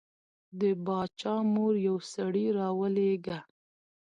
د باچا مور یو سړی راولېږه.